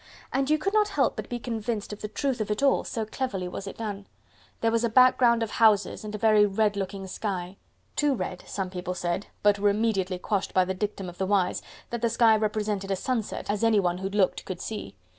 And you could not help but be convinced of the truth of it all, so cleverly was it done. There was a background of houses and a very red looking sky. "Too red!" some people said, but were immediately quashed by the dictum of the wise, that the sky represented a sunset, as anyone who looked could see.